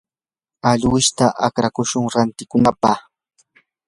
alwishta akrashun rantikunapaq.